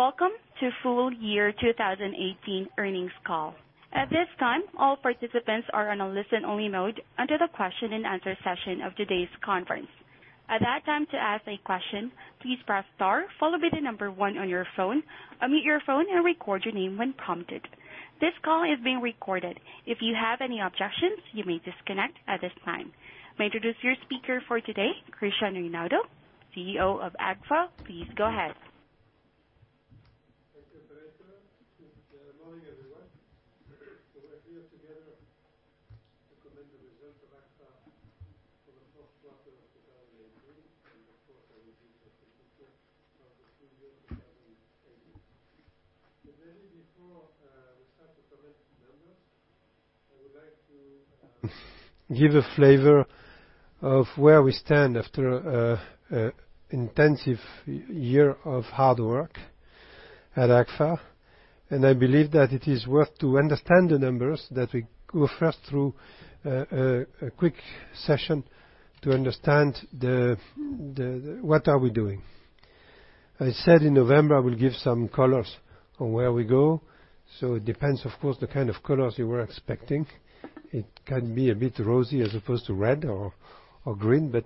Welcome to full year 2018 earnings call. At this time, all participants are on a listen-only mode until the question and answer session of today's conference. At that time, to ask a question, please press star followed by the number one on your phone, unmute your phone, and record your name when prompted. This call is being recorded. If you have any objections, you may disconnect at this time. May I introduce your speaker for today, Christian Reinaudo, CEO of Agfa. Please go ahead. Thank you, operator. Good morning, everyone. We are here together to comment the result of Agfa for the Q4 of 2018, and of course, I will give the picture of the full year 2018. Maybe before we start to comment the numbers, I would like to give a flavor of where we stand after an intensive year of hard work at Agfa. I believe that it is worth to understand the numbers that we go first through a quick session to understand what are we doing. I said in November, I will give some colors on where we go. It depends, of course, the kind of colors you were expecting. It can be a bit rosy as opposed to red or green, but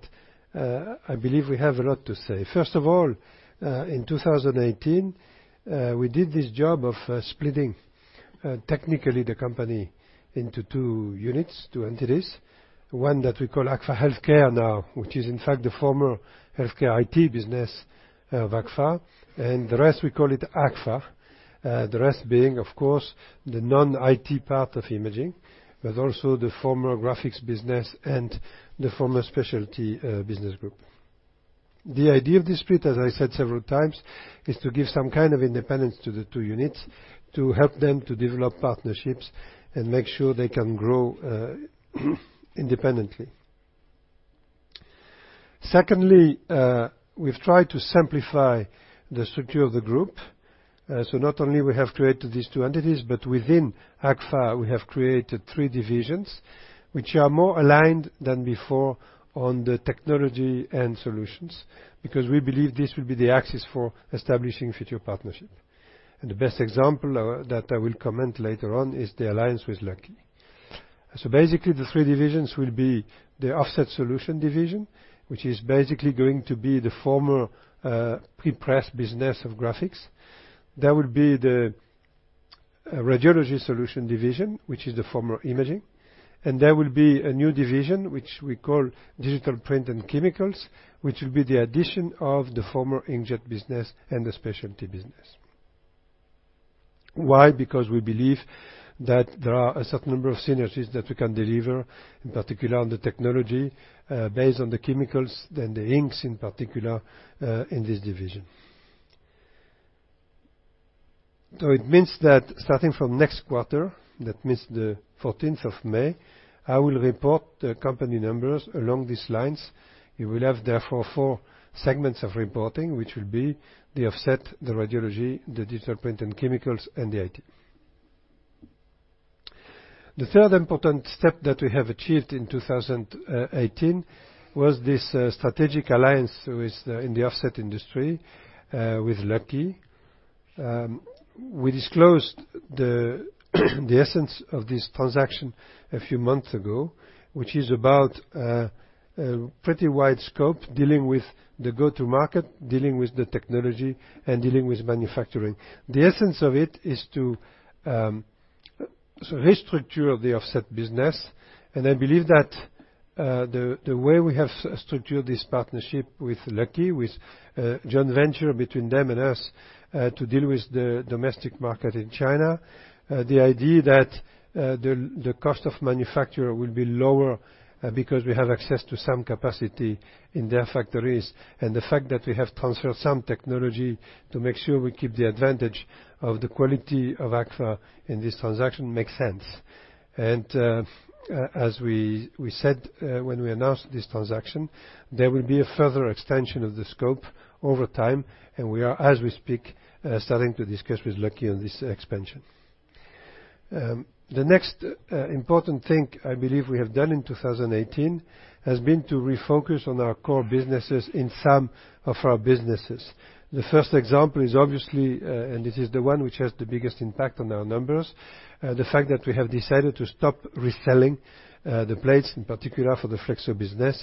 I believe we have a lot to say. First of all, in 2018, we did this job of splitting, technically, the company into two units, two entities. One that we call Agfa HealthCare now, which is in fact the former HealthCare IT business of Agfa. The rest we call it Agfa. The rest being, of course, the non-IT part of Imaging, but also the former Graphics business and the former Specialty business group. The idea of this split, as I said several times, is to give some kind of independence to the two units to help them to develop partnerships and make sure they can grow independently. Secondly, we've tried to simplify the structure of the group. Not only we have created these two entities, but within Agfa, we have created three divisions, which are more aligned than before on the technology and solutions, because we believe this will be the axis for establishing future partnership. The best example that I will comment later on is the alliance with Lucky. Basically, the three divisions will be the Offset Solutions division, which is basically going to be the former prepress business of Graphics. There will be the Radiology Solutions division, which is the former Imaging. There will be a new division, which we call Digital Print and Chemicals, which will be the addition of the former inkjet business and the Specialty business. Why? Because we believe that there are a certain number of synergies that we can deliver, in particular on the technology, based on the chemicals, then the inks in particular, in this division. It means that starting from next quarter, that means the 14th of May, I will report the company numbers along these lines. You will have, therefore, four segments of reporting, which will be the Offset, the Radiology, the Digital Print & Chemicals, and the IT. The third important step that we have achieved in 2018 was this strategic alliance in the Offset industry, with Lucky. We disclosed the essence of this transaction a few months ago, which is about a pretty wide scope dealing with the go-to-market, dealing with the technology, and dealing with manufacturing. The essence of it is to restructure the Offset business. I believe that the way we have structured this partnership with Lucky, with a joint venture between them and us to deal with the domestic market in China. The idea that the cost of manufacture will be lower because we have access to some capacity in their factories, and the fact that we have transferred some technology to make sure we keep the advantage of the quality of Agfa in this transaction makes sense. As we said when we announced this transaction, there will be a further extension of the scope over time, we are, as we speak, starting to discuss with Lucky on this expansion. The next important thing I believe we have done in 2018 has been to refocus on our core businesses in some of our businesses. The first example is obviously, it is the one which has the biggest impact on our numbers, the fact that we have decided to stop reselling the plates, in particular for the Flexo business,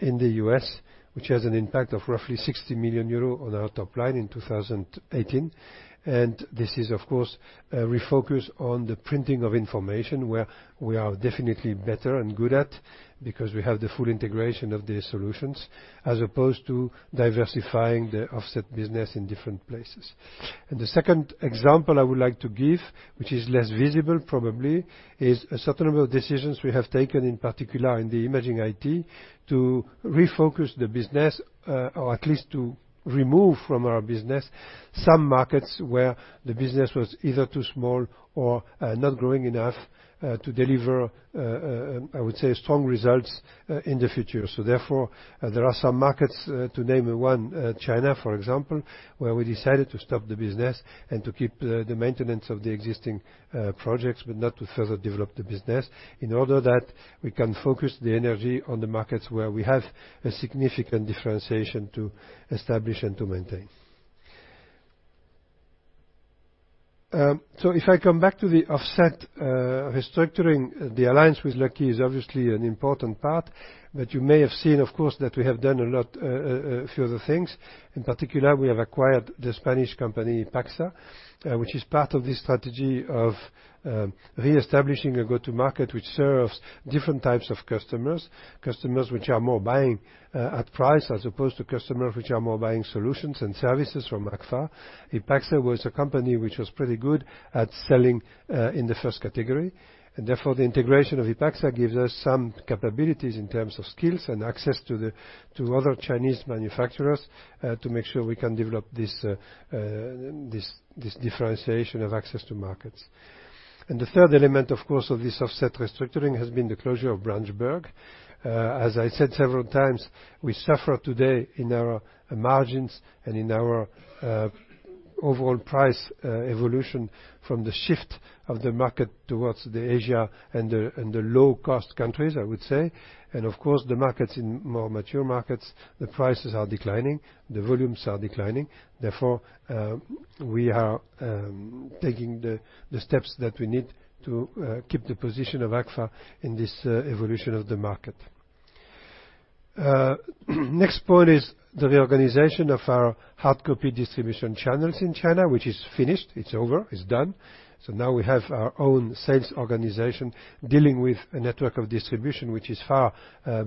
in the U.S., which has an impact of roughly 60 million euro on our top line in 2018. This is, of course, a refocus on the printing of information where we are definitely better and good at because we have the full integration of the solutions as opposed to diversifying the Offset business in different places. The second example I would like to give, which is less visible probably, is a certain number of decisions we have taken, in particular in the Imaging IT, to refocus the business, or at least to remove from our business some markets where the business was either too small or not growing enough to deliver, I would say, strong results in the future. Therefore, there are some markets, to name one, China, for example, where we decided to stop the business and to keep the maintenance of the existing projects, but not to further develop the business in order that we can focus the energy on the markets where we have a significant differentiation to establish and to maintain. If I come back to the Offset restructuring, the alliance with Lucky is obviously an important part. You may have seen, of course, that we have done a lot of other things. In particular, we have acquired the Spanish company Ipagsa, which is part of this strategy of re-establishing a go-to market which serves different types of customers. Customers which are more buying at price as opposed to customers which are more buying solutions and services from Agfa. Ipagsa was a company which was pretty good at selling in the first category, and therefore the integration of Ipagsa gives us some capabilities in terms of skills and access to other Chinese manufacturers to make sure we can develop this differentiation of access to markets. The third element, of course, of this offset restructuring has been the closure of Branchburg. As I said several times, we suffer today in our margins and in our overall price evolution from the shift of the market towards Asia and the low-cost countries, I would say. Of course, the markets in more mature markets, the prices are declining, the volumes are declining. We are taking the steps that we need to keep the position of Agfa in this evolution of the market. Next point is the reorganization of our hard copy distribution channels in China, which is finished. It's over. It's done. Now we have our own sales organization dealing with a network of distribution, which is far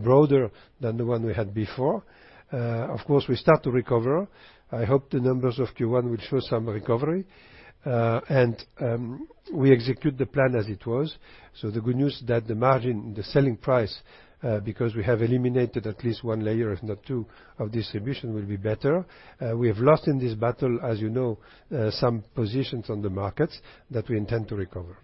broader than the one we had before. Of course, we start to recover. I hope the numbers of Q1 will show some recovery. We execute the plan as it was. The good news is that the margin, the selling price, because we have eliminated at least one layer, if not two, of distribution, will be better. We have lost in this battle, as you know, some positions on the markets that we intend to recover.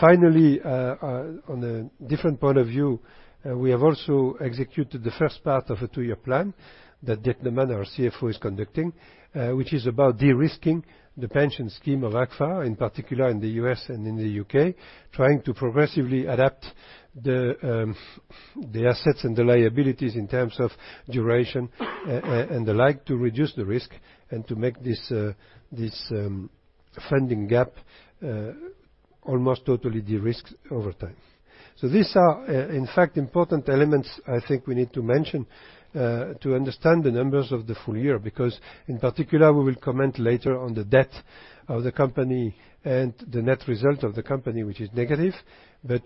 Finally, on a different point of view, we have also executed the first part of a two-year plan that Dirk De Man, our CFO, is conducting, which is about de-risking the pension scheme of Agfa, in particular in the U.S. and in the U.K., trying to progressively adapt the assets and the liabilities in terms of duration and the like to reduce the risk and to make this funding gap almost totally de-risked over time. These are in fact important elements I think we need to mention to understand the numbers of the full year, because in particular, we will comment later on the debt of the company and the net result of the company, which is negative.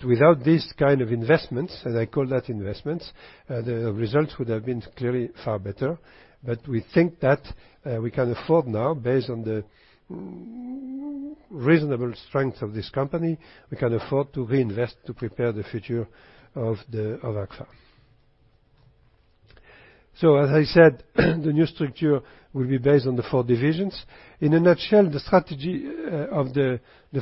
Without this kind of investments, and I call that investments, the results would have been clearly far better. We think that we can afford now, based on the reasonable strength of this company, we can afford to reinvest to prepare the future of Agfa. As I said, the new structure will be based on the four divisions. In a nutshell, the strategy of the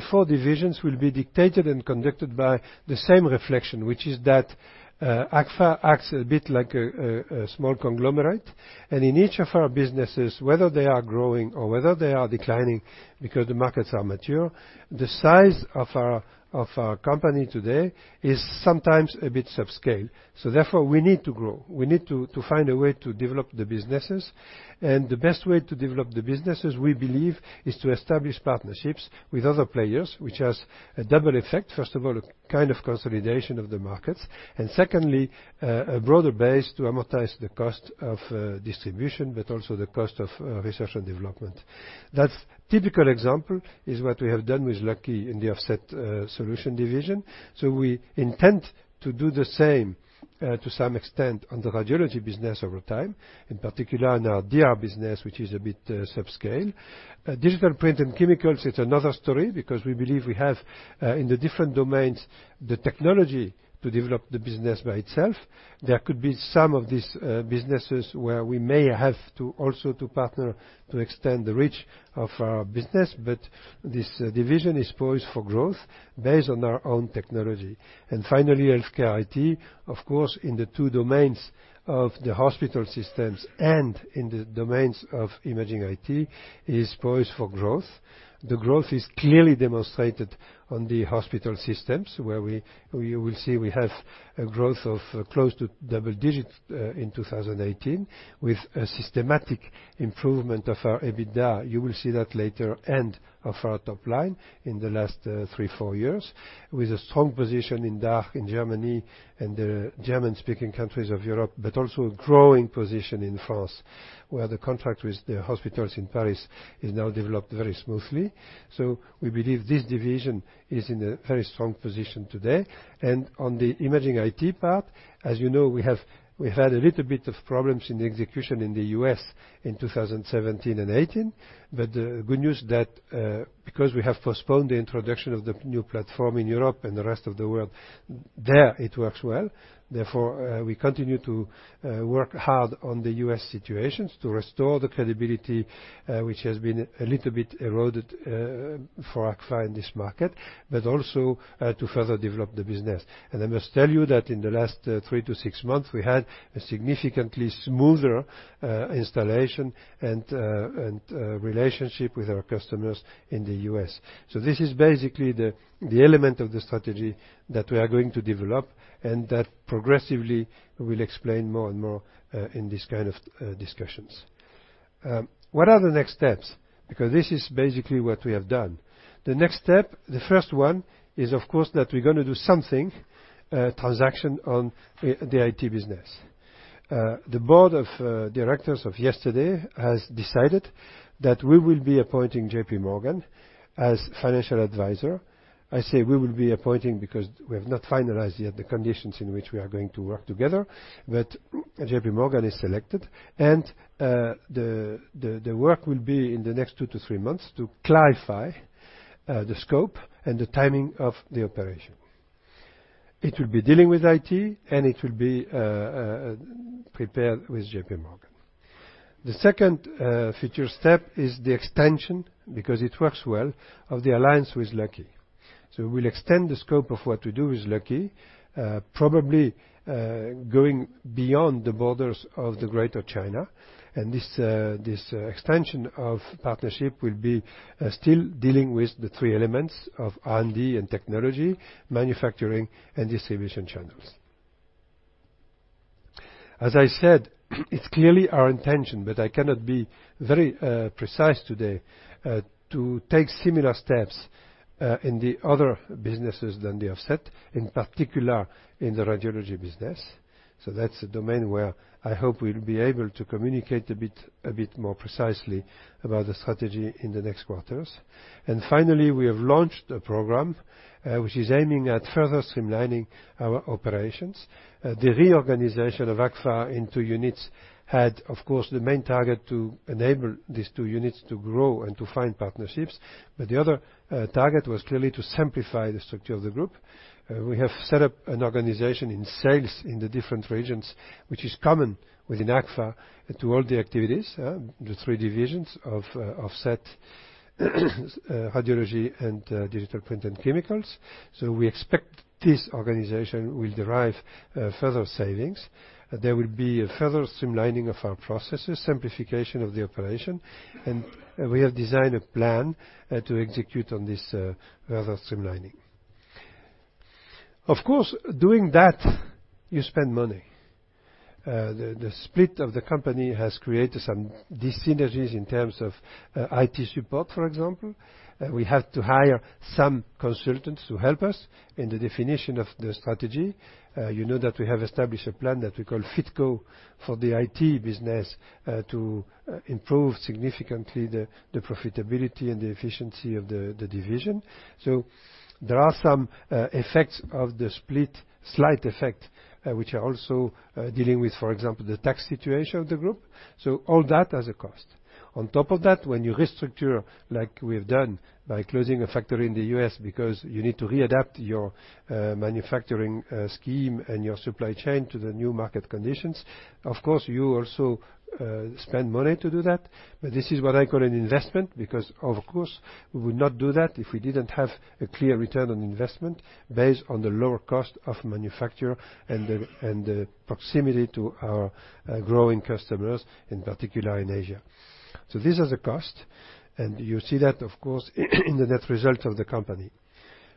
four divisions will be dictated and conducted by the same reflection, which is that Agfa acts a bit like a small conglomerate. In each of our businesses, whether they are growing or whether they are declining because the markets are mature, the size of our company today is sometimes a bit subscale. Therefore, we need to grow. We need to find a way to develop the businesses. The best way to develop the businesses, we believe, is to establish partnerships with other players, which has a double effect. First of all, a kind of consolidation of the markets. Secondly, a broader base to amortize the cost of distribution, but also the cost of R&D. That typical example is what we have done with Lucky in the Offset Solutions division. We intend to do the same to some extent on the radiology business over time, in particular in our DR business, which is a bit subscale. Digital Print & Chemicals, it's another story because we believe we have, in the different domains, the technology to develop the business by itself. There could be some of these businesses where we may have to also to partner to extend the reach of our business. This division is poised for growth based on our own technology. Finally, HealthCare IT, of course, in the two domains of the hospital systems and in the domains of imaging IT, is poised for growth. The growth is clearly demonstrated on the hospital systems, where you will see we have a growth of close to double digits in 2018 with a systematic improvement of our EBITDA. You will see that later. Of our top line in the last three, four years with a strong position in DACH in Germany and the German-speaking countries of Europe, but also a growing position in France, where the contract with the hospitals in Paris is now developed very smoothly. We believe this division is in a very strong position today. On the imaging IT part, as you know, we've had a little bit of problems in the execution in the U.S. in 2017 and 2018. The good news that because we have postponed the introduction of the new platform in Europe and the rest of the world, there it works well. Therefore, we continue to work hard on the U.S. situations to restore the credibility, which has been a little bit eroded for Agfa in this market, but also to further develop the business. I must tell you that in the last three to six months, we had a significantly smoother installation and relationship with our customers in the U.S. This is basically the element of the strategy that we are going to develop and that progressively we'll explain more and more in this kind of discussions. What are the next steps? This is basically what we have done. The next step, the first one is, of course, that we're going to do something, a transaction on the IT business. The board of directors of yesterday has decided that we will be appointing JPMorgan as financial advisor. I say we will be appointing because we have not finalized yet the conditions in which we are going to work together. JPMorgan is selected, and the work will be in the next two to three months to clarify the scope and the timing of the operation. It will be dealing with IT, and it will be prepared with JPMorgan. The second future step is the extension, because it works well, of the alliance with Lucky. We'll extend the scope of what we do with Lucky, probably going beyond the borders of Greater China. This extension of partnership will be still dealing with the three elements of R&D and technology, manufacturing, and distribution channels. As I said, it's clearly our intention, but I cannot be very precise today, to take similar steps in the other businesses than the offset, in particular in the radiology business. That's a domain where I hope we'll be able to communicate a bit more precisely about the strategy in the next quarters. Finally, we have launched a program which is aiming at further streamlining our operations. The reorganization of Agfa into units had, of course, the main target to enable these two units to grow and to find partnerships. The other target was clearly to simplify the structure of the group. We have set up an organization in sales in the different regions, which is common within Agfa to all the activities, the three divisions of Offset Solutions, Radiology Solutions, and Digital Print & Chemicals. We expect this organization will derive further savings. There will be a further streamlining of our processes, simplification of the operation, and we have designed a plan to execute on this further streamlining. Of course, doing that, you spend money. The split of the company has created some dyssynergies in terms of IT support, for example. We have to hire some consultants to help us in the definition of the strategy. You know that we have established a plan that we call FitGo for the IT business to improve significantly the profitability and the efficiency of the division. There are some effects of the split, slight effect, which are also dealing with, for example, the tax situation of the group. All that has a cost. On top of that, when you restructure like we have done by closing a factory in the U.S. because you need to readapt your manufacturing scheme and your supply chain to the new market conditions, of course, you also spend money to do that. This is what I call an investment because, of course, we would not do that if we didn't have a clear return on investment based on the lower cost of manufacture and the proximity to our growing customers, in particular in Asia. These are the cost, and you see that, of course, in the net result of the company.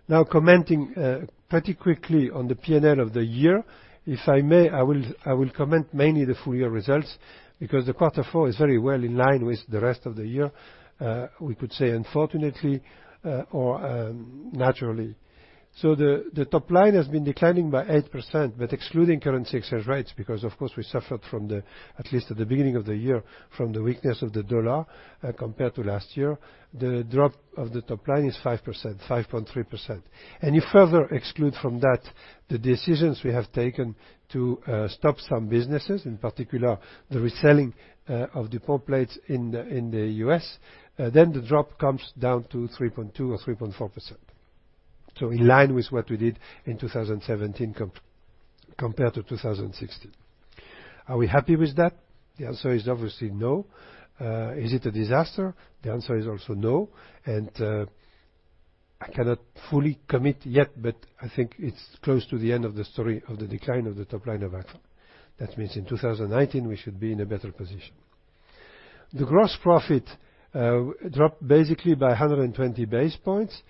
Now, commenting pretty quickly on the P&L of the year. If I may, I will comment mainly the full year results, because the Q4 is very well in line with the rest of the year, we could say, unfortunately, or naturally. The top line has been declining by 8%, but excluding currency exchange rates, because, of course, we suffered from the, at least at the beginning of the year, from the weakness of the U.S. dollar compared to last year. The drop of the top line is 5.3%. You further exclude from that the decisions we have taken to stop some businesses, in particular the reselling of the pop plates in the U.S., the drop comes down to 3.2% or 3.4%. In line with what we did in 2017 compared to 2016. Are we happy with that? The answer is obviously no. Is it a disaster? The answer is also no. I cannot fully commit yet, but I think it is close to the end of the story of the decline of the top line of Agfa. That means in 2019, we should be in a better position. The gross profit dropped basically by 120 basis points,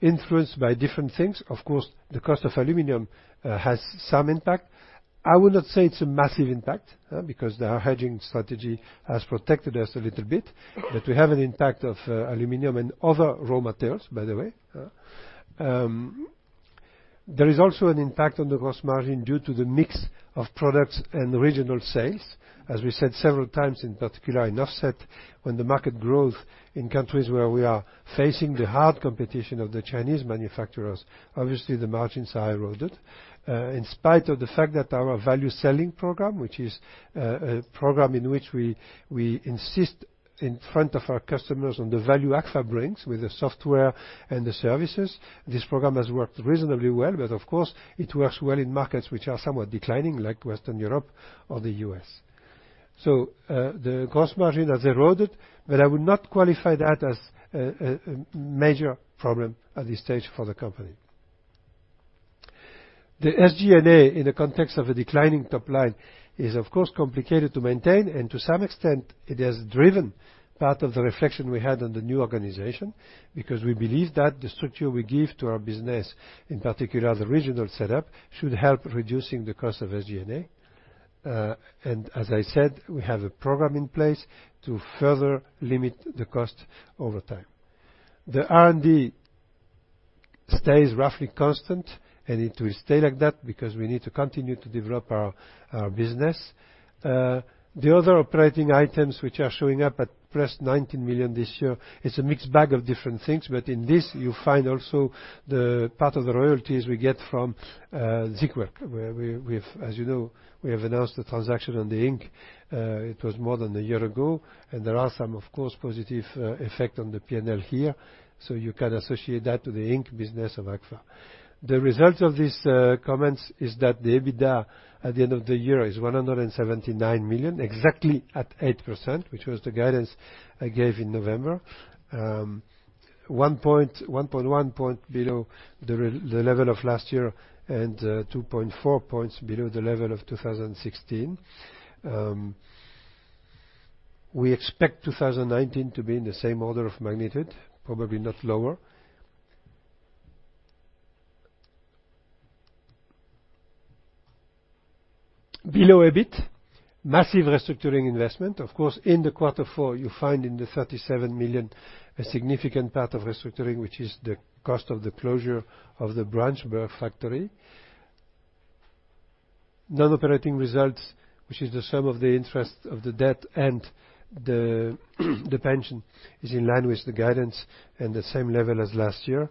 influenced by different things. Of course, the cost of aluminum has some impact. I would not say it is a massive impact because our hedging strategy has protected us a little bit, but we have an impact of aluminum and other raw materials, by the way. There is also an impact on the gross margin due to the mix of products and regional sales. As we said several times, in particular in offset, when the market growth in countries where we are facing the hard competition of the Chinese manufacturers, obviously the margins are eroded. In spite of the fact that our value selling program, which is a program in which we insist in front of our customers on the value Agfa brings with the software and the services. This program has worked reasonably well, but of course, it works well in markets which are somewhat declining, like Western Europe or the U.S. The gross margin has eroded, but I would not qualify that as a major problem at this stage for the company. The SG&A in the context of a declining top line is, of course, complicated to maintain, and to some extent, it has driven part of the reflection we had on the new organization, because we believe that the structure we give to our business, in particular the regional setup, should help reducing the cost of SG&A. As I said, we have a program in place to further limit the cost over time. The R&D stays roughly constant, and it will stay like that because we need to continue to develop our business. The other operating items, which are showing up at +19 million this year, it is a mixed bag of different things. In this, you find also the part of the royalties we get from Siegwerk, where, as you know, we have announced the transaction on the ink. It was more than a year ago, and there are some, of course, positive effect on the PNL here. You can associate that to the ink business of Agfa. The result of these comments is that the EBITDA at the end of the year is 179 million, exactly at 8%, which was the guidance I gave in November. 1.1 point below the level of last year and 2.4 points below the level of 2016. We expect 2019 to be in the same order of magnitude, probably not lower. Below EBIT, massive restructuring investment. Of course, in the Q4, you find in the 37 million a significant part of restructuring, which is the cost of the closure of the Branchburg factory. Non-operating results, which is the sum of the interest of the debt and the pension, is in line with the guidance and the same level as last year.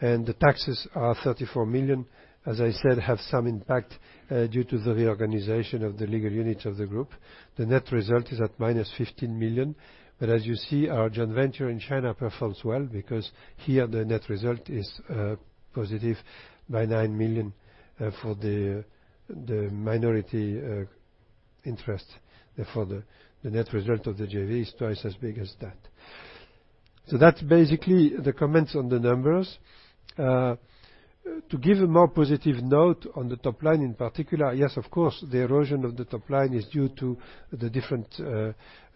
The taxes are 34 million, as I said, have some impact due to the reorganization of the legal unit of the group. The net result is at -15 million. As you see, our joint venture in China performs well because here the net result is positive by 9 million for the minority interest. Therefore, the net result of the JV is twice as big as that. That's basically the comments on the numbers. To give a more positive note on the top line in particular, yes, of course, the erosion of the top line is due to the different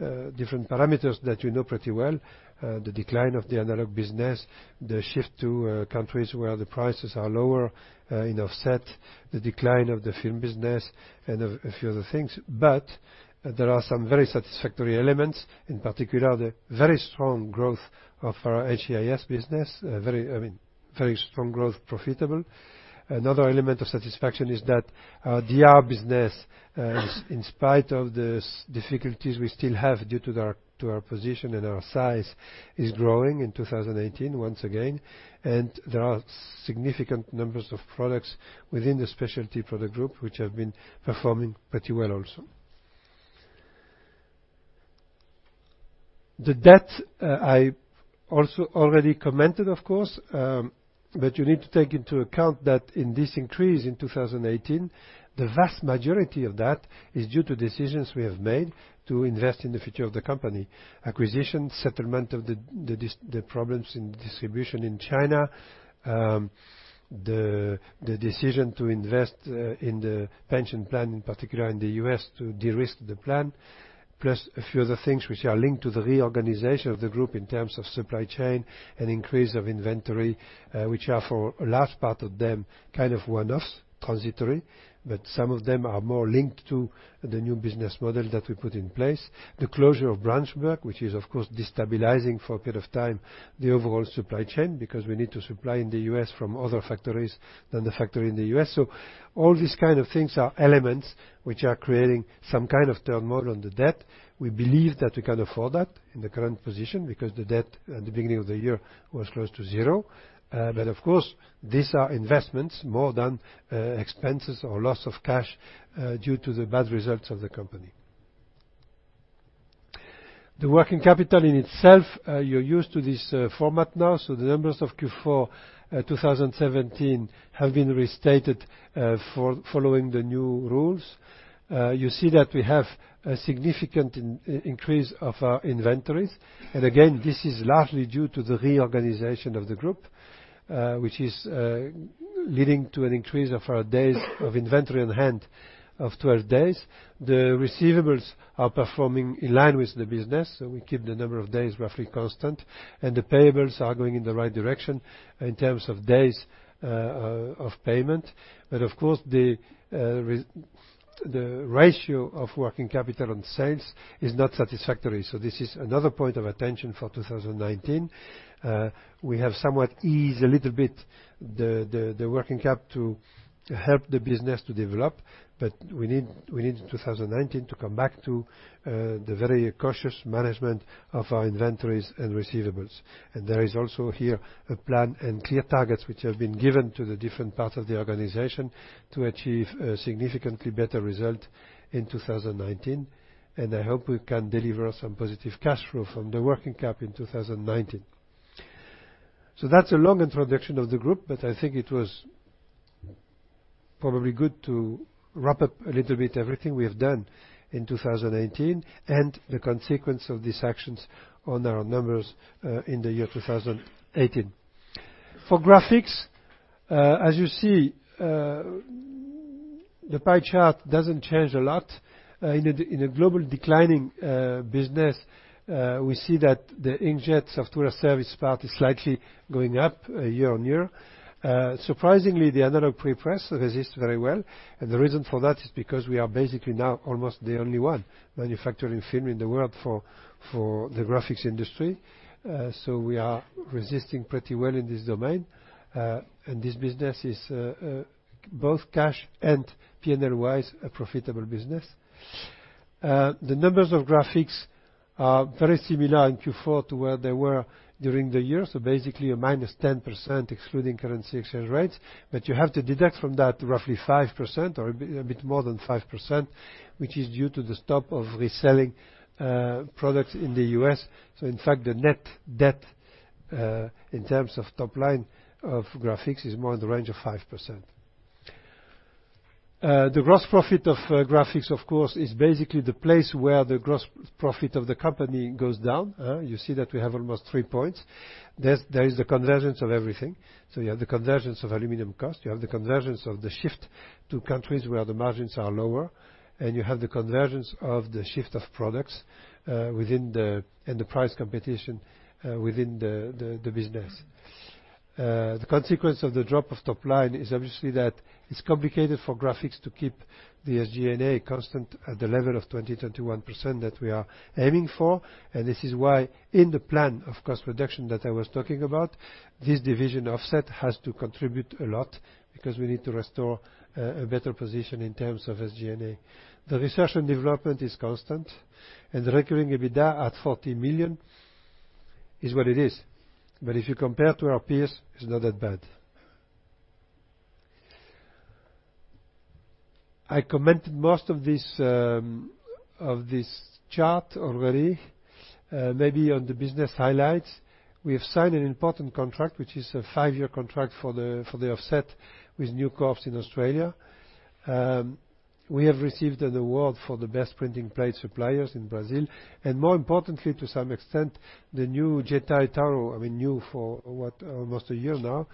parameters that you know pretty well. The decline of the analog business, the shift to countries where the prices are lower in Offset Solutions, the decline of the film business, and a few other things. There are some very satisfactory elements, in particular, the very strong growth of our HCIS business, very strong growth profitable. Another element of satisfaction is that our DR business, in spite of the difficulties we still have due to our position and our size, is growing in 2018 once again. There are significant numbers of products within the specialty product group, which have been performing pretty well also. The debt, I also already commented, of course, but you need to take into account that in this increase in 2018, the vast majority of that is due to decisions we have made to invest in the future of the company. Acquisition, settlement of the problems in distribution in China, the decision to invest in the pension plan, in particular in the U.S., to de-risk the plan. Plus a few other things which are linked to the reorganization of the group in terms of supply chain and increase of inventory, which are for a large part of them kind of one-offs, transitory. Some of them are more linked to the new business model that we put in place. The closure of Branchburg, which is, of course, destabilizing for a period of time, the overall supply chain, because we need to supply in the U.S. from other factories than the factory in the U.S. All these kind of things are elements which are creating some kind of turmoil on the debt. We believe that we can afford that in the current position because the debt at the beginning of the year was close to zero. Of course, these are investments more than expenses or loss of cash due to the bad results of the company. The working capital in itself, you're used to this format now. The numbers of Q4 2017 have been restated following the new rules. You see that we have a significant increase of our inventories. Again, this is largely due to the reorganization of the group, which is leading to an increase of our days of inventory on hand of 12 days. The receivables are performing in line with the business, so we keep the number of days roughly constant, and the payables are going in the right direction in terms of days of payment. Of course, the ratio of working cap on sales is not satisfactory. This is another point of attention for 2019. We have somewhat eased a little bit the working cap to help the business to develop, but we need 2019 to come back to the very cautious management of our inventories and receivables. And there is also here a plan and clear targets which have been given to the different parts of the organization to achieve a significantly better result in 2019. And I hope we can deliver some positive cash flow from the working cap in 2019. That's a long introduction of the group, but I think it was probably good to wrap up a little bit everything we have done in 2018 and the consequence of these actions on our numbers in the year 2018. For graphics, as you see, the pie chart doesn't change a lot. In a global declining business, we see that the inkjet software service part is slightly going up year-on-year. Surprisingly, the analog prepress resists very well, and the reason for that is because we are basically now almost the only one manufacturing film in the world for the graphics industry. So we are resisting pretty well in this domain. And this business is both cash and PNL-wise, a profitable business. The numbers of graphics are very similar in Q4 to where they were during the year, so basically a -10% excluding currency exchange rates. But you have to deduct from that roughly 5% or a bit more than 5%, which is due to the stop of reselling products in the U.S. In fact, the net debt in terms of top line of graphics is more in the range of 5%. The gross profit of graphics, of course, is basically the place where the gross profit of the company goes down. You see that we have almost three points. There is a convergence of everything. You have the convergence of aluminum cost, you have the convergence of the shift to countries where the margins are lower, and you have the convergence of the shift of products and the price competition within the business. The consequence of the drop of top line is obviously that it's complicated for graphics to keep the SG&A constant at the level of 20%, 21% that we are aiming for. And this is why in the plan of cost reduction that I was talking about, this division Offset has to contribute a lot because we need to restore a better position in terms of SG&A. The R&D is constant, and the recurring EBITDA at 40 million is what it is. But if you compare to our peers, it's not that bad. I commented most of this chart already. Maybe on the business highlights, we have signed an important contract, which is a five-year contract for the Offset with News Corp in Australia. We have received an award for the best printing plate suppliers in Brazil, and more importantly, to some extent, the new Jeti Tauro, new for almost a year now,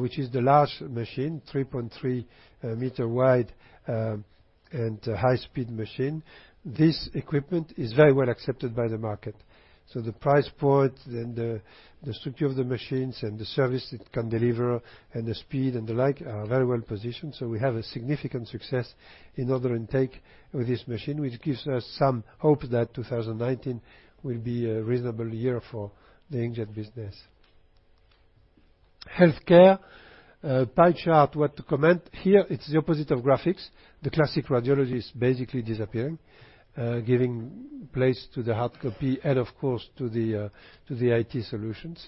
which is the large machine, 3.3 m wide and high speed machine. This equipment is very well accepted by the market. The price point and the structure of the machines and the service it can deliver and the speed and the like are very well positioned. We have a significant success in order intake with this machine, which gives us some hope that 2019 will be a reasonable year for the inkjet business. Healthcare pie chart, what to comment here, it's the opposite of graphics. The classic radiology is basically disappearing, giving place to the hard copy and of course, to the IT solutions.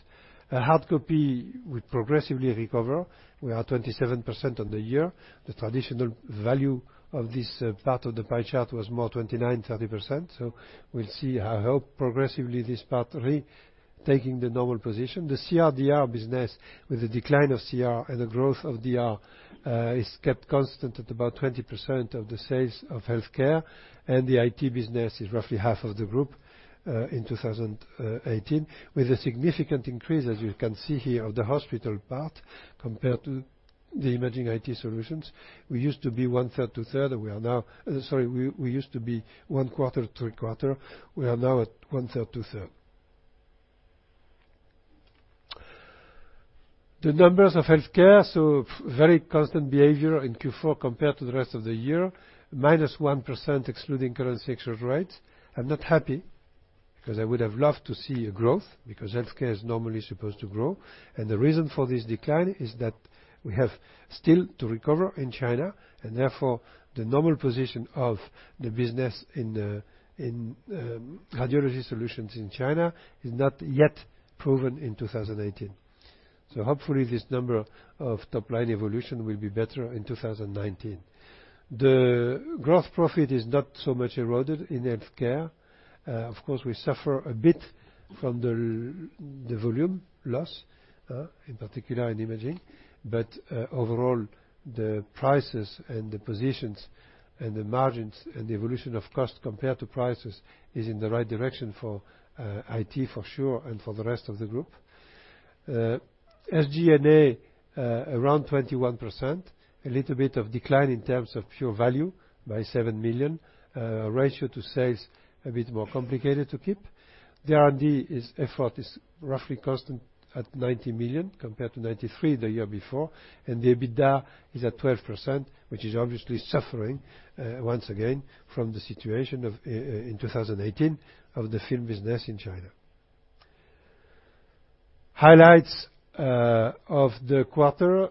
Hard copy will progressively recover. We are 27% on the year. The traditional value of this part of the pie chart was more 29%-30%. We'll see, I hope, progressively this part retaking the normal position. The CR/DR business with the decline of CR and the growth of DR is kept constant at about 20% of the sales of healthcare. The IT business is roughly half of the group, in 2018, with a significant increase, as you can see here, of the hospital part compared to the emerging IT solutions. We used to be one quarter to a quarter. We are now at one third to a third. The numbers of healthcare, very constant behavior in Q4 compared to the rest of the year, -1% excluding currency exchange rates. I'm not happy because I would have loved to see a growth because healthcare is normally supposed to grow. The reason for this decline is that we have still to recover in China, and therefore, the normal position of the business in Radiology Solutions in China is not yet proven in 2018. Hopefully, this number of top-line evolution will be better in 2019. The gross profit is not so much eroded in healthcare. Of course, we suffer a bit from the volume loss, in particular in imaging. Overall, the prices and the positions and the margins and the evolution of cost compared to prices is in the right direction for IT for sure, and for the rest of the group. SG&A, around 21%, a little bit of decline in terms of pure value by 7 million. Ratio to sales, a bit more complicated to keep. The R&D effort is roughly constant at 90 million compared to 93 million the year before. The EBITDA is at 12%, which is obviously suffering, once again, from the situation in 2018 of the film business in China. Highlights of the quarter,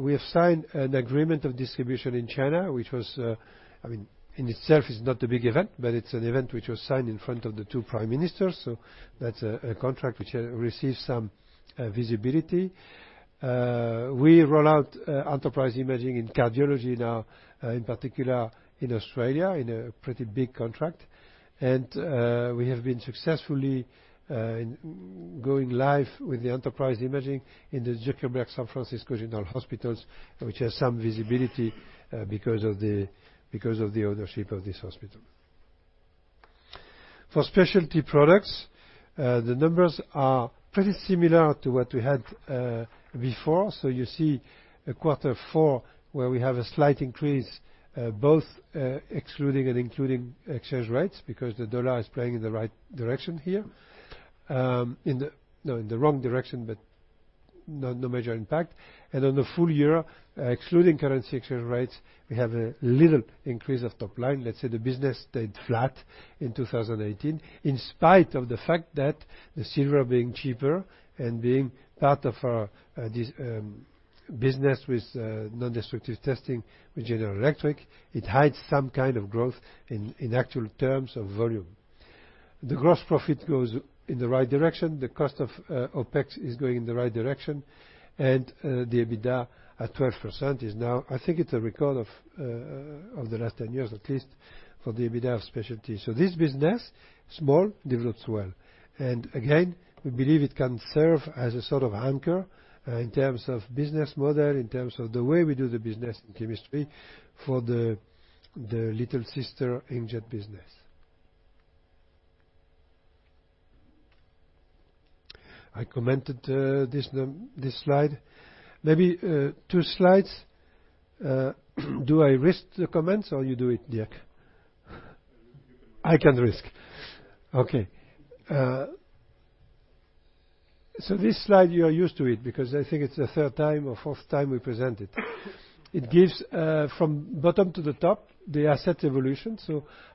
we have signed an agreement of distribution in China, which was in itself not a big event, but it's an event which was signed in front of the two prime ministers. That's a contract which received some visibility. We roll out Enterprise Imaging in cardiology now, in particular in Australia in a pretty big contract. We have been successfully going live with the Enterprise Imaging in the Zuckerberg San Francisco General Hospital and Trauma Center, which has some visibility because of the ownership of this hospital. For specialty products, the numbers are pretty similar to what we had before. You see a quarter four where we have a slight increase, both excluding and including exchange rates, because the dollar is playing in the wrong direction here, but no major impact. On the full year, excluding currency exchange rates, we have a little increase of top line. Let's say the business stayed flat in 2018, in spite of the fact that the silver being cheaper and being part of our business with nondestructive testing with General Electric, it hides some kind of growth in actual terms of volume. The gross profit goes in the right direction. The cost of OpEx is going in the right direction, and the EBITDA at 12% is now, I think it's a record of the last 10 years, at least, for the EBITDA of specialty. This business, small, develops well. Again, we believe it can serve as a sort of anchor in terms of business model, in terms of the way we do the business in chemistry for the little sister inkjet business. I commented this slide. Maybe two slides. Do I risk the comments or you do it, Dirk? You can do it. I can risk. Okay. This slide, you are used to it because I think it's the third time or fourth time we present it. It gives, from bottom to the top, the asset evolution.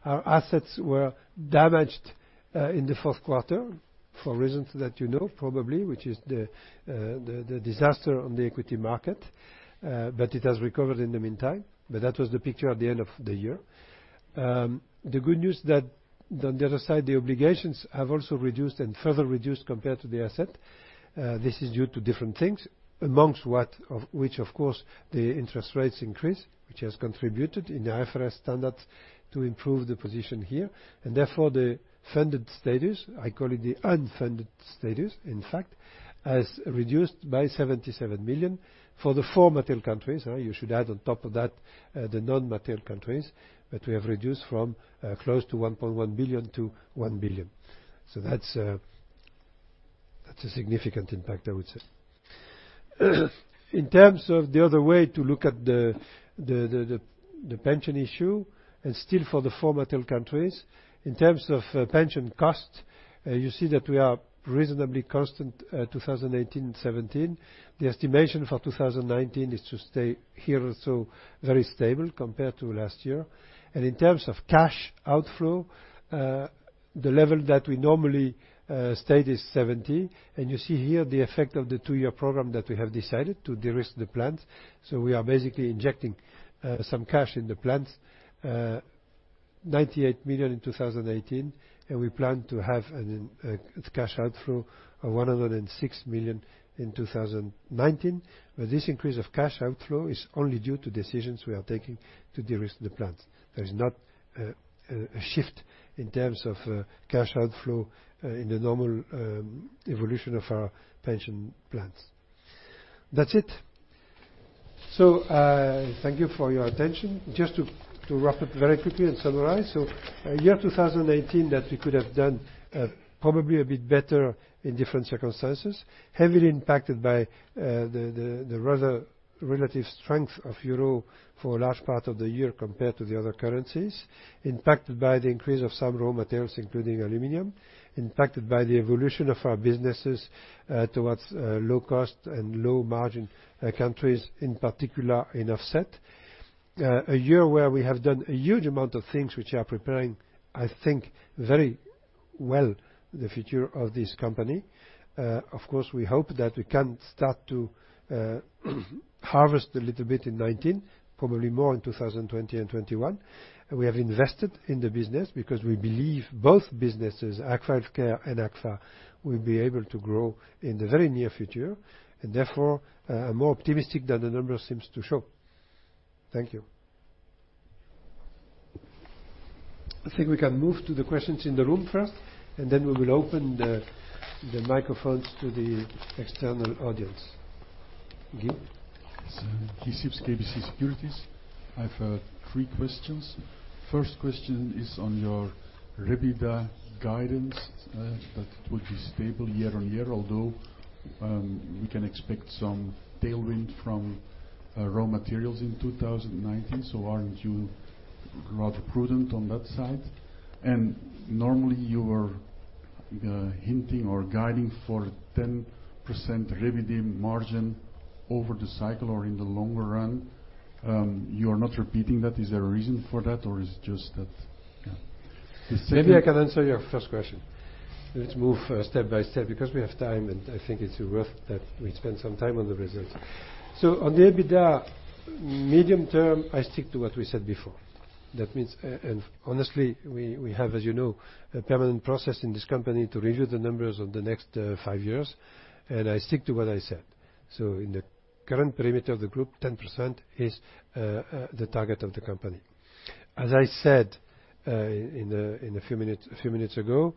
Our assets were damaged in the Q4 for reasons that you know, probably, which is the disaster on the equity market. It has recovered in the meantime. That was the picture at the end of the year. The good news that on the other side, the obligations have also reduced and further reduced compared to the asset. This is due to different things, amongst which, of course, the interest rates increase, which has contributed in the IFRS standards to improve the position here. Therefore, the funded status, I call it the unfunded status, in fact, has reduced by 77 million for the four material countries. You should add on top of that, the non-material countries that we have reduced from close to 1.1 billion-1 billion. That's a significant impact, I would say. In terms of the other way to look at the pension issue, and still for the four material countries, in terms of pension cost, you see that we are reasonably constant 2018, 2017. The estimation for 2019 is to stay here also very stable compared to last year. In terms of cash outflow, the level that we normally state is 70. You see here the effect of the two-year program that we have decided to de-risk the plans. We are basically injecting some cash in the plans, 98 million in 2018, and we plan to have a cash outflow of 106 million in 2019. This increase of cash outflow is only due to decisions we are taking to de-risk the plans. There is not a shift in terms of cash outflow in the normal evolution of our pension plans. That's it. Thank you for your attention. Just to wrap up very quickly and summarize. Year 2018 that we could have done probably a bit better in different circumstances, heavily impacted by the rather relative strength of Euro for a large part of the year compared to the other currencies, impacted by the increase of some raw materials, including aluminum, impacted by the evolution of our businesses towards low cost and low margin countries, in particular in offset. A year where we have done a huge amount of things which are preparing, I think, very well the future of this company. Of course, we hope that we can start to harvest a little bit in 2019, probably more in 2020 and 2021. We have invested in the business because we believe both businesses, Agfa HealthCare and Agfa, will be able to grow in the very near future, and therefore, are more optimistic than the numbers seems to show. Thank you. I think we can move to the questions in the room first, and then we will open the microphones to the external audience. Guy? Guy Sips, KBC Securities. I've three questions. First question is on your REBITDA guidance, that it will be stable year-over-year, although we can expect some tailwind from raw materials in 2019. Aren't you rather prudent on that side? Normally, you were hinting or guiding for 10% REBITDA margin over the cycle or in the longer run. You are not repeating that. Is there a reason for that, or is just that the same? Maybe I can answer your first question. Let's move step by step because we have time, and I think it's worth that we spend some time on the results. On the EBITDA, medium term, I stick to what we said before. Honestly, we have, as you know, a permanent process in this company to review the numbers on the next five years, and I stick to what I said. In the current perimeter of the group, 10% is the target of the company. As I said a few minutes ago,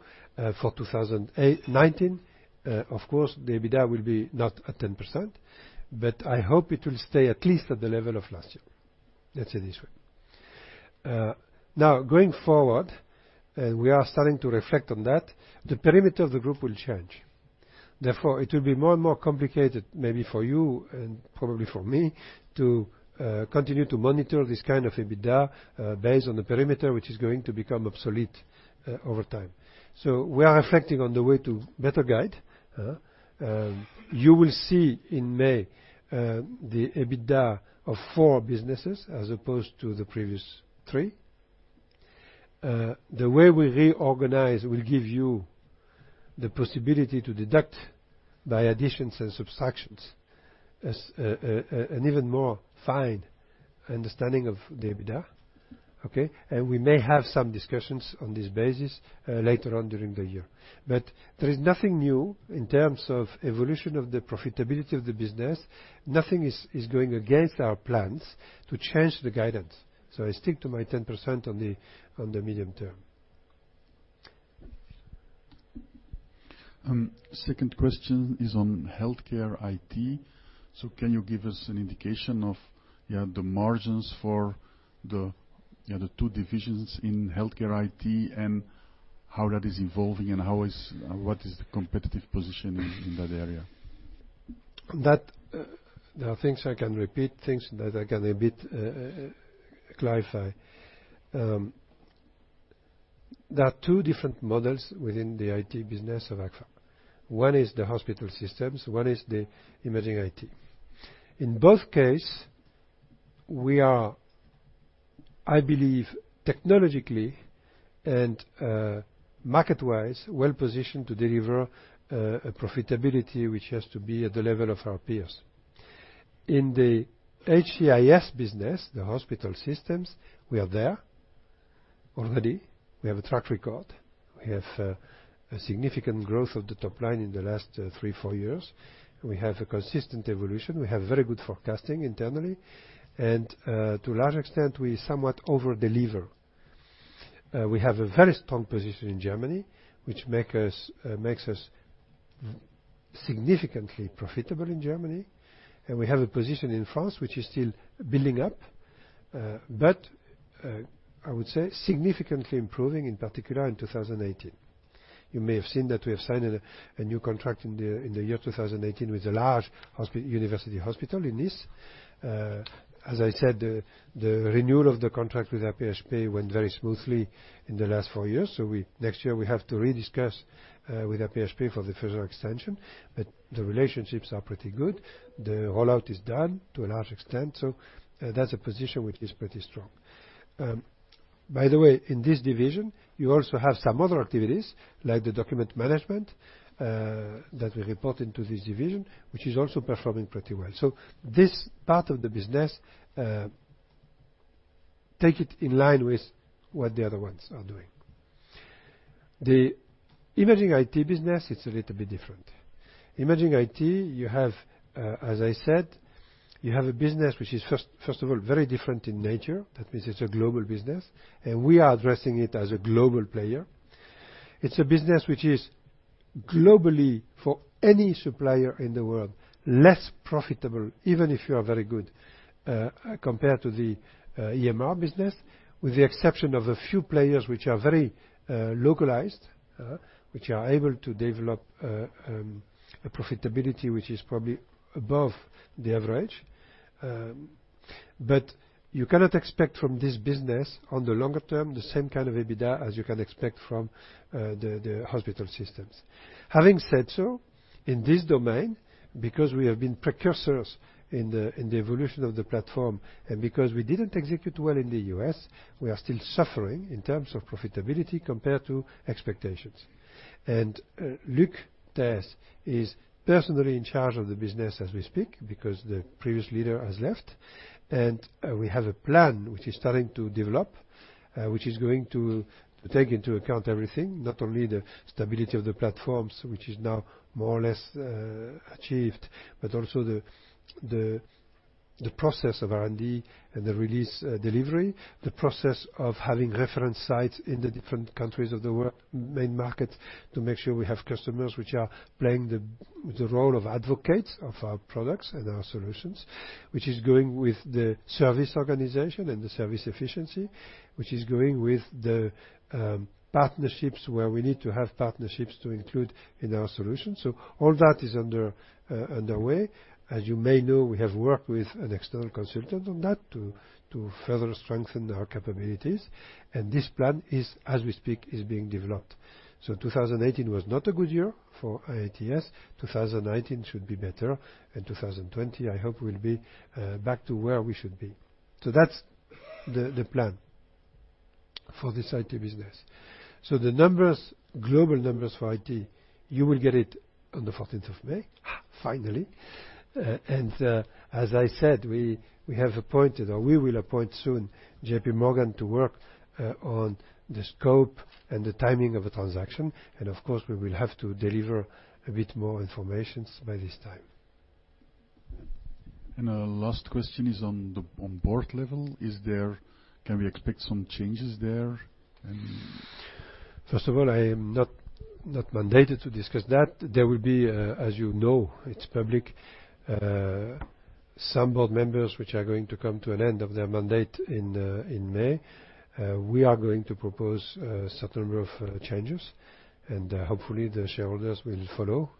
for 2019, of course, the EBITDA will be not at 10%, but I hope it will stay at least at the level of last year. Let's say this way. Now going forward, and we are starting to reflect on that, the perimeter of the group will change. It will be more and more complicated, maybe for you and probably for me, to continue to monitor this kind of EBITDA based on the perimeter, which is going to become obsolete over time. We are reflecting on the way to better guide. You will see in May the EBITDA of four businesses as opposed to the previous three. The way we reorganize will give you the possibility to deduct by additions and subtractions, as an even more fine understanding of the EBITDA. Okay. We may have some discussions on this basis later on during the year. There is nothing new in terms of evolution of the profitability of the business. Nothing is going against our plans to change the guidance. I stick to my 10% on the medium term. Second question is on HealthCare IT. Can you give us an indication of the margins for the two divisions in HealthCare IT and how that is evolving, and what is the competitive position in that area? There are things I can repeat, things that I can a bit clarify. There are two different models within the IT business of Agfa. One is the hospital systems, one is the Imaging IT. In both case, we are, I believe, technologically and market-wise well-positioned to deliver profitability, which has to be at the level of our peers. In the HCIS business, the hospital systems, we are there already. We have a track record. We have a significant growth of the top line in the last three, four years. We have a consistent evolution. We have very good forecasting internally. To a large extent, we somewhat over-deliver. We have a very strong position in Germany, which makes us significantly profitable in Germany. We have a position in France, which is still building up. I would say significantly improving, in particular in 2018. You may have seen that we have signed a new contract in the year 2018 with a large university hospital in Nice. As I said, the renewal of the contract with AP-HP went very smoothly in the last four years. Next year, we have to re-discuss with AP-HP for the further extension, but the relationships are pretty good. The rollout is done to a large extent, so that's a position which is pretty strong. By the way, in this division, you also have some other activities, like the document management, that we report into this division, which is also performing pretty well. This part of the business, take it in line with what the other ones are doing. The Imaging IT business, it's a little bit different. Imaging IT, as I said, you have a business which is, first of all, very different in nature. That means it's a global business, and we are addressing it as a global player. It's a business which is globally, for any supplier in the world, less profitable, even if you are very good, compared to the EMR business, with the exception of a few players which are very localized which are able to develop a profitability which is probably above the average. You cannot expect from this business, on the longer term, the same kind of EBITDA as you can expect from the hospital systems. Having said so, in this domain, because we have been precursors in the evolution of the platform and because we didn't execute well in the U.S., we are still suffering in terms of profitability compared to expectations. Luc Thijs is personally in charge of the business as we speak because the previous leader has left. We have a plan which is starting to develop which is going to take into account everything, not only the stability of the platforms, which is now more or less achieved, but also the process of R&D and the release delivery, the process of having reference sites in the different countries of the world, main markets, to make sure we have customers which are playing the role of advocates of our products and our solutions, which is going with the service organization and the service efficiency, which is going with the partnerships where we need to have partnerships to include in our solution. All that is underway. As you may know, we have worked with an external consultant on that to further strengthen our capabilities, and this plan is, as we speak, is being developed. 2018 was not a good year for IATS. 2019 should be better, and 2020 I hope will be back to where we should be. That's the plan for this IT business. The global numbers for IT, you will get it on the 14th of May, finally. As I said, we have appointed, or we will appoint soon JPMorgan to work on the scope and the timing of a transaction. Of course, we will have to deliver a bit more information by this time. Last question is on board level. Can we expect some changes there? First of all, I am not mandated to discuss that. There will be, as you know, it is public, some board members which are going to come to an end of their mandate in May. We are going to propose a certain number of changes and, hopefully, the shareholders will follow.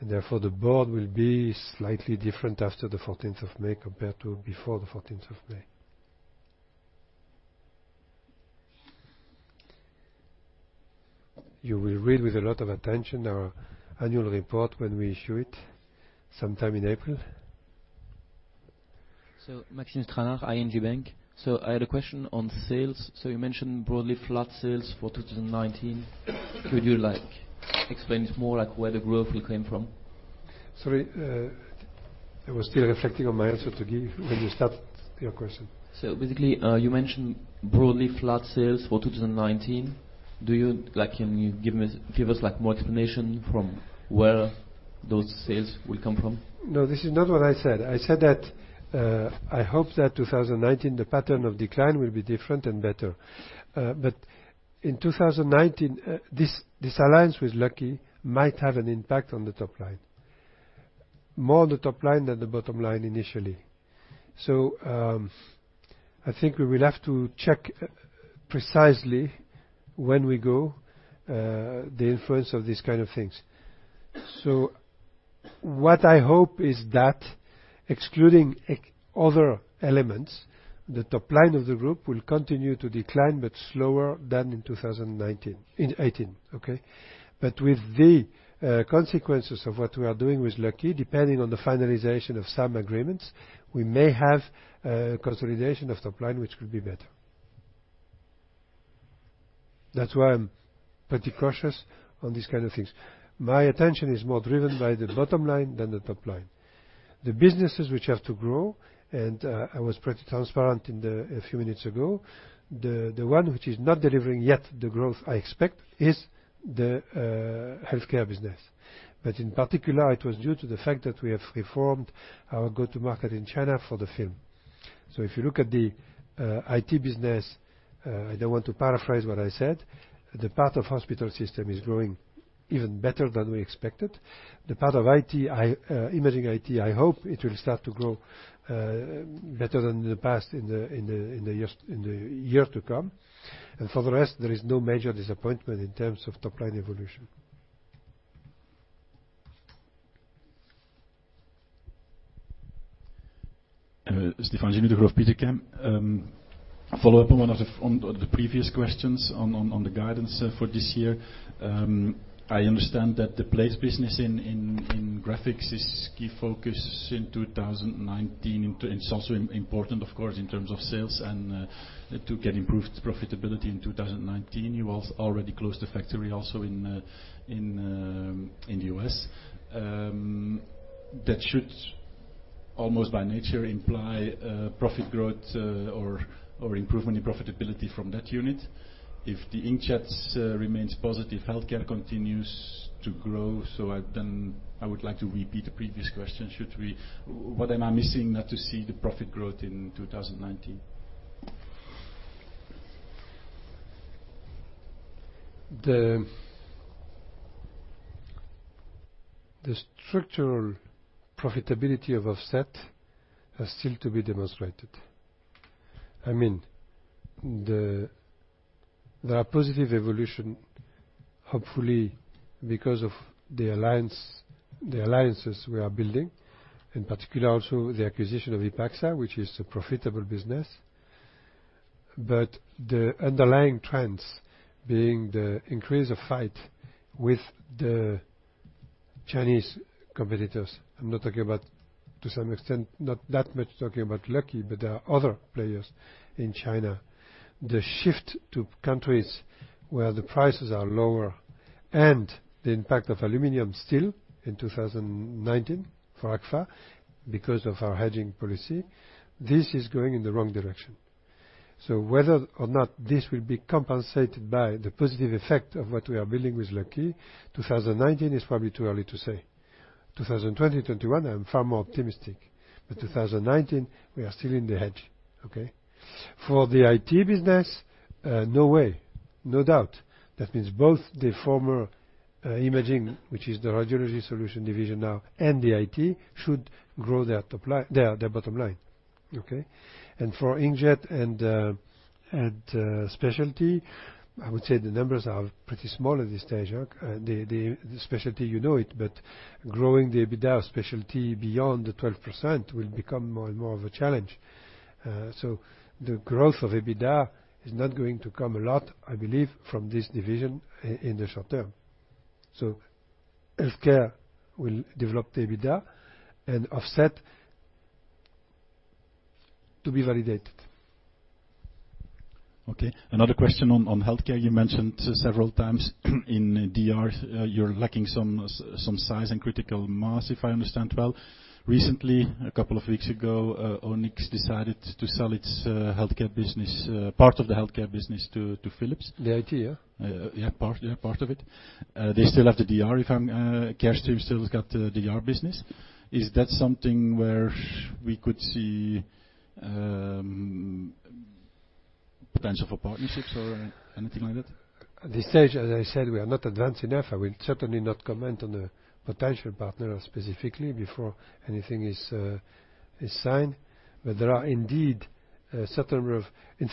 Therefore the board will be slightly different after the 14th of May compared to before the 14th of May. You will read with a lot of attention our annual report when we issue it sometime in April. Maxime Stranart, ING Bank. I had a question on sales. You mentioned broadly flat sales for 2019. Could you explain it more, like where the growth will come from? Sorry, I was still reflecting on my answer to give when you start your question. Basically, you mentioned broadly flat sales for 2019. Can you give us more explanation from where those sales will come from? No, this is not what I said. I said that I hope that 2019, the pattern of decline will be different and better. In 2019, this alliance with Lucky might have an impact on the top line. More the top line than the bottom line initially. I think we will have to check precisely when we go, the influence of these kind of things. What I hope is that excluding other elements, the top line of the group will continue to decline, but slower than in 2018. Okay. With the consequences of what we are doing with Lucky, depending on the finalization of some agreements, we may have consolidation of top line, which could be better. That's why I'm pretty cautious on these kind of things. My attention is more driven by the bottom line than the top line. The businesses which have to grow, and I was pretty transparent a few minutes ago, the one which is not delivering yet the growth I expect is the healthcare business. In particular, it was due to the fact that we have reformed our go-to market in China for the film. If you look at the IT business, I don't want to paraphrase what I said. The part of hospital system is growing even better than we expected. The part of imaging IT, I hope it will start to grow better than the past in the year to come. For the rest, there is no major disappointment in terms of top line evolution. Stefaan Genoe, Degroof Petercam. Follow-up on one of the previous questions on the guidance for this year. I understand that the plates business in graphics is key focus in 2019. It's also important, of course, in terms of sales and to get improved profitability in 2019. You also already closed the factory also in the U.S. That should almost by nature imply profit growth or improvement in profitability from that unit. If the inkjets remains positive, healthcare continues to grow. I would like to repeat the previous question, what am I missing not to see the profit growth in 2019? The structural profitability of offset has still to be demonstrated. There are positive evolution, hopefully because of the alliances we are building. In particular also the acquisition of Ipagsa, which is a profitable business. The underlying trends being the increase of fight with the Chinese competitors. I'm not talking about, to some extent, not that much talking about Lucky, but there are other players in China. The shift to countries where the prices are lower and the impact of aluminum still in 2019 for Agfa, because of our hedging policy, this is going in the wrong direction. Whether or not this will be compensated by the positive effect of what we are building with Lucky, 2019 is probably too early to say. 2020, 2021, I'm far more optimistic. 2019, we are still in the hedge. Okay. For the IT business, no way, no doubt. That means both the former imaging, which is the Radiology Solutions division now, and the IT should grow their bottom line. Okay. For inkjet and Specialty, I would say the numbers are pretty small at this stage. The Specialty, you know it, but growing the EBITDA Specialty beyond the 12% will become more and more of a challenge. The growth of EBITDA is not going to come a lot, I believe, from this division in the short term. Healthcare will develop the EBITDA and offset to be validated. Okay. Another question on healthcare. You mentioned several times in DR, you are lacking some size and critical mass, if I understand well. Recently, a couple of weeks ago, Onex decided to sell its healthcare business, part of the healthcare business to Philips. The IT, yeah. Yeah, part of it. They still have the DR, Carestream still has got the DR business. Is that something where we could see potential for partnerships or anything like that? At this stage, as I said, we are not advanced enough. I will certainly not comment on the potential partner specifically before anything is signed. In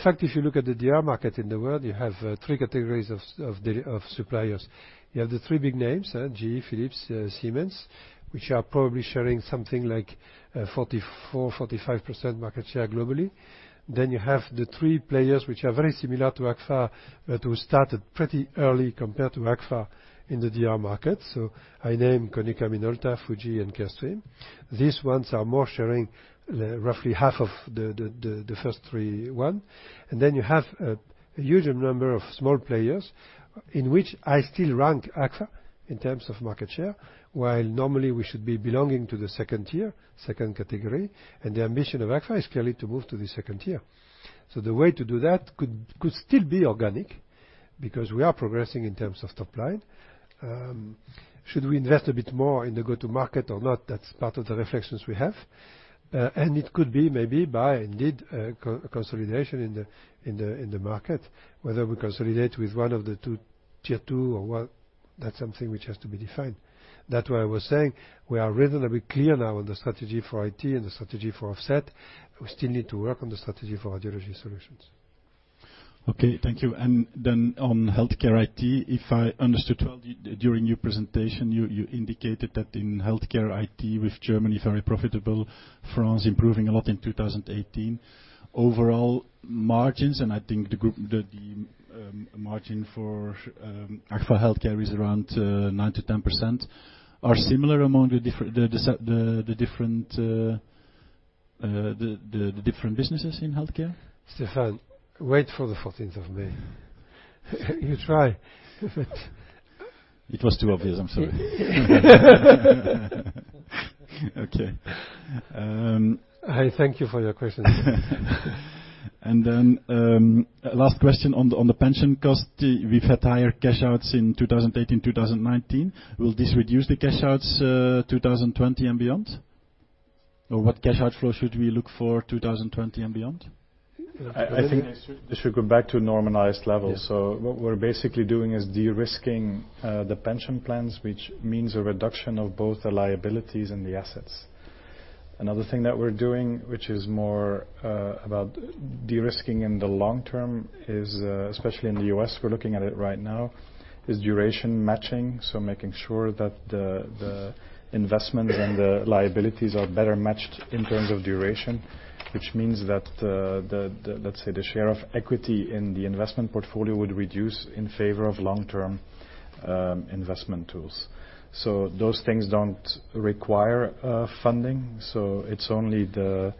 fact, if you look at the DR market in the world, you have three categories of suppliers. You have the three big names, GE, Philips, Siemens, which are probably sharing something like 44%-45% market share globally. You have the three players, which are very similar to Agfa, that we started pretty early compared to Agfa in the DR market. I name Konica Minolta, Fuji, and Carestream. These ones are more sharing roughly half of the first three one. You have a huge number of small players in which I still rank Agfa in terms of market share, while normally we should be belonging to the second tier, second category, and the ambition of Agfa is clearly to move to the second tier. The way to do that could still be organic, because we are progressing in terms of top line. Should we invest a bit more in the go-to market or not? That's part of the reflections we have. It could be maybe by, indeed, a consolidation in the market, whether we consolidate with one of the two, Tier 2 or 1, that's something which has to be defined. That why I was saying we are reasonably clear now on the strategy for IT and the strategy for Offset. We still need to work on the strategy for our Radiology Solutions. Okay, thank you. On HealthCare IT, if I understood well, during your presentation, you indicated that in HealthCare IT with Germany, very profitable, France improving a lot in 2018. Overall margins, and I think the margin for Agfa HealthCare is around 9%-10%, are similar among the different businesses in healthcare? Stefaan, wait for the 14th of May. You try. It was too obvious, I'm sorry. Okay. I thank you for your question. Last question on the pension cost. We've had higher cash outs in 2018, 2019. Will this reduce the cash outs 2020 and beyond? What cash outflow should we look for 2020 and beyond? I think it should go back to normalized levels. Yeah. What we're basically doing is de-risking the pension plans, which means a reduction of both the liabilities and the assets. Another thing that we're doing, which is more about de-risking in the long term is, especially in the U.S., we're looking at it right now, is duration matching. Making sure that the investments and the liabilities are better matched in terms of duration, which means that, let's say, the share of equity in the investment portfolio would reduce in favor of long-term investment tools. Those things don't require funding. It's only the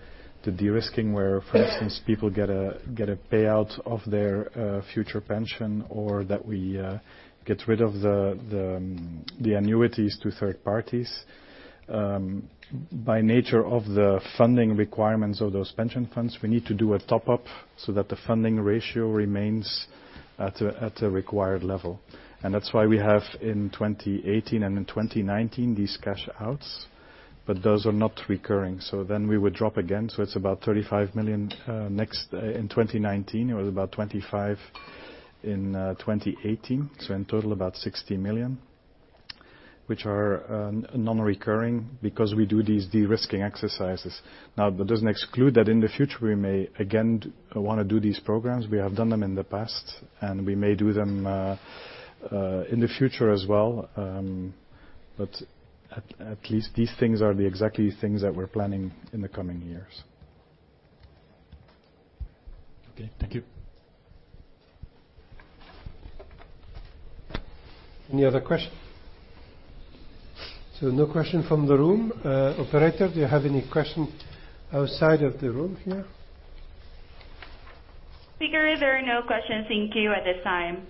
de-risking where, for instance, people get a payout of their future pension or that we get rid of the annuities to third parties. By nature of the funding requirements of those pension funds, we need to do a top-up so that the funding ratio remains at a required level. That's why we have in 2018 and in 2019, these cash outs, but those are not recurring. We would drop again. It's about 35 million in 2019. It was about 25 million in 2018. In total about 60 million, which are non-recurring because we do these de-risking exercises. That doesn't exclude that in the future, we may again want to do these programs. We have done them in the past and we may do them in the future as well. At least these things are the exactly things that we're planning in the coming years. Okay, thank you. Any other question? No question from the room. Operator, do you have any question outside of the room here? Speaker, there are no questions in queue at this time.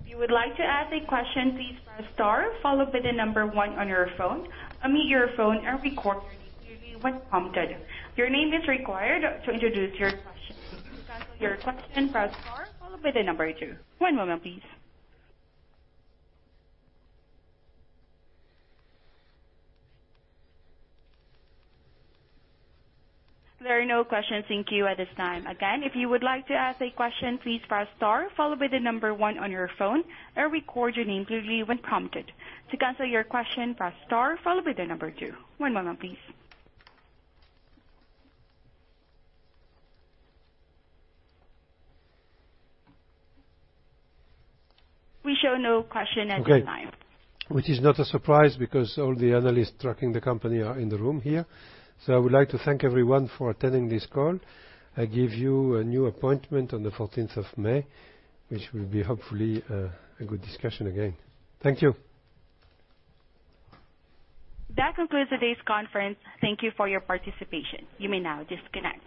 If you would like to ask a question, please press star followed by the number one on your phone. Unmute your phone and record your name when prompted. Your name is required to introduce your question. To cancel your question, press star followed by the number two. One moment, please. There are no questions in queue at this time. Again, if you would like to ask a question, please press star followed by the number one on your phone and record your name clearly when prompted. To cancel your question, press star followed by the number two. One moment, please. We show no question at this time. Okay. Which is not a surprise because all the analysts tracking the company are in the room here. I would like to thank everyone for attending this call. I give you a new appointment on the 14th of May, which will be hopefully a good discussion again. Thank you. That concludes today's conference. Thank you for your participation. You may now disconnect.